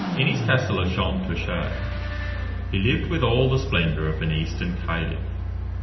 In his castle of Champtocé he lived with all the splendour of an eastern caliph.